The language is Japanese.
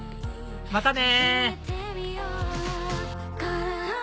またね！